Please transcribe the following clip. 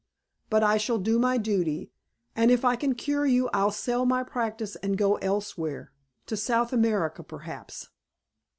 But I shall do my duty. And if I can cure you I'll sell my practice and go elsewhere. To South America, perhaps."